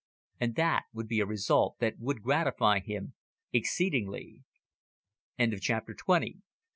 And that would be a result that would gratify him exceedingly. CHAPTER TWENTY ONE.